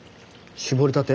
搾りたて？